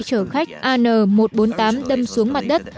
chở khách an một trăm bốn mươi tám đâm xuống mặt đất